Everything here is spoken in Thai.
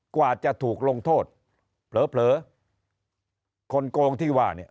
กว่าจะถูกลงโทษเผลอคนโกงที่ว่าเนี่ย